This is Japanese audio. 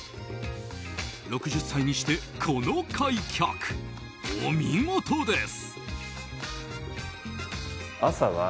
６０歳にして、この開脚お見事です。